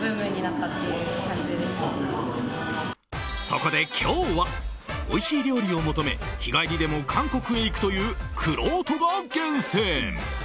そこで今日はおいしい料理を求め日帰りでも韓国に行くというくろうとが厳選。